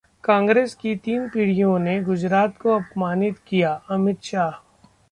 कांग्रेस की तीन पीढ़ियों ने गुजरात को अपमानित किया: अमित शाह